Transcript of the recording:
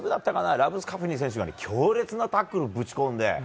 ラブスカフニ選手が強烈なタックルをぶち込んで。